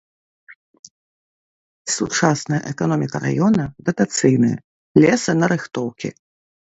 Сучасная эканоміка раёна датацыйная, лесанарыхтоўкі.